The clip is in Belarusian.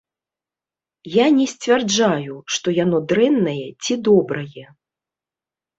Я не сцвярджаю, што яно дрэннае ці добрае.